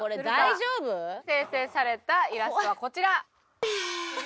生成されたイラストはこちら。